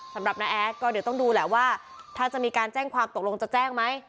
น้าแอดก็เดี๋ยวต้องดูแหละว่าถ้าจะมีการแจ้งความตกลงจะแจ้งไหม